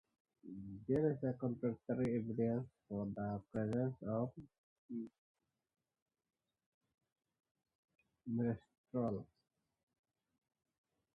There is contradictory evidence for the presence of miroestrol.